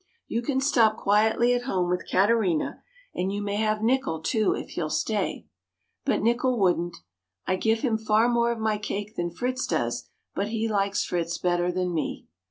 You can stop quietly at home with Katerina, and you may have Nickel too, if he'll stay." But Nickel wouldn't. I give him far more of my cake than Fritz does, but he likes Fritz better than me.